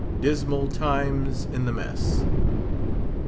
DISMAL TIMES IN THE MESS.